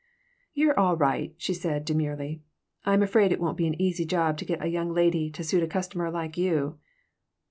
"You're all right," she said, demurely. "I'm afraid it won't be an easy job to get a young lady to suit a customer like you."